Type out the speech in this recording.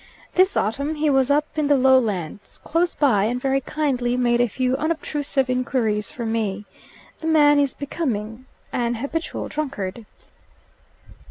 This autumn he was up in the Lowlands, close by, and very kindly made a few unobtrusive inquiries for me. The man is becoming an habitual drunkard."